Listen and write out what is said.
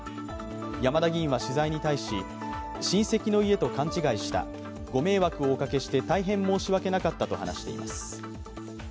山田議員は取材に対し、親戚の家と勘違いした、ご迷惑をおかけして大変申し訳なかったと話しています。